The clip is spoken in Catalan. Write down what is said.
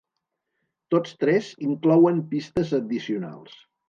Tots tres inclouen pistes addicionals.